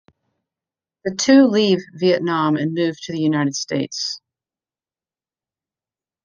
The two leave Vietnam and move to the United States.